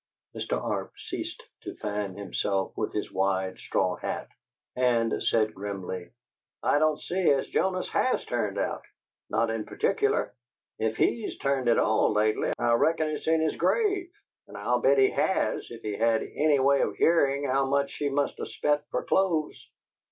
Mr. Arp ceased to fan himself with his wide straw hat and said grimly: "I don't see as Jonas HAS 'turned out' not in particular! If he's turned at all, lately, I reckon it's in his grave, and I'll bet he HAS if he had any way of hearin' how much she must of spent for clothes!"